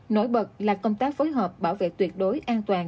nổi bật là công tác phối hợp bảo vệ tuyệt đối an toàn